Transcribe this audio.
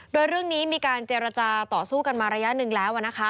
โดยเรื่องนี้มีการเจรจาต่อสู้กันมาระยะหนึ่งแล้ว